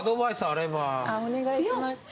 お願いします。